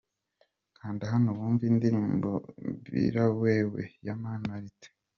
Kanda hano wumve indirimbo Bila Wewe ya Mani Martin.